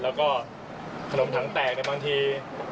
แล้วก็ขนมถังแตกบางที